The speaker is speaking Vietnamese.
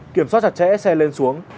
kiểm soát chặt chẽ xe lên xuống